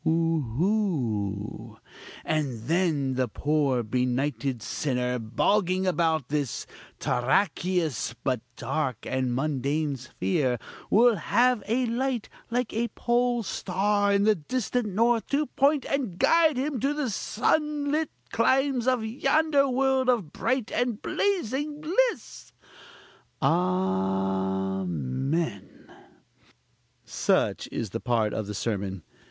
(oohoo!) and then the poor benighted sinner, bogging about this terraqueous, but dark and mundane sphere, will have a light like a pole star of the distant north, to point and guide him to the sunlit climes of yonder world of bright and blazing bliss!" (A a amen!) Such is part of the sermon.